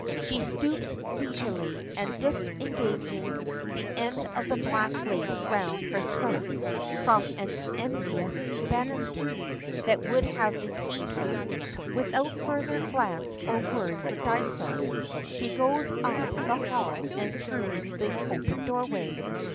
She stoops leisurely, and disengaging the end of the black lace round her throat from an envious banister that would have detained her, without further glance or word for Dysart, she goes up the hall and through the open doorway.